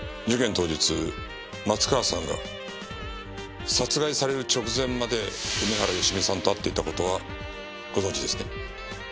当日松川さんが殺害される直前まで梅原芳美さんと会っていた事はご存じですね？